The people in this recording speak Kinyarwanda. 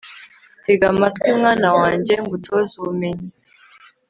tega amatwi, mwana wanjye, ngutoze ubumenyi